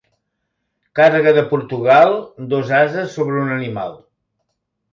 Càrrega de Portugal, dos ases sobre un animal.